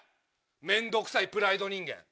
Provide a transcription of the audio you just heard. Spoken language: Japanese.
面倒くさいプライド人間。